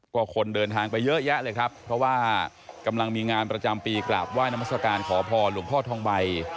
ก็คนเดินทางไปเยอะแยะเลยครับเพราะว่ากำลังมีงานประจำปีกราบไหว้นามัศกาลขอพรหลวงพ่อทองใบ